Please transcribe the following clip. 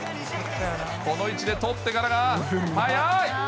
この位置で捕ってからが速い。